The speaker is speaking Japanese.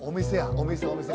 お店お店。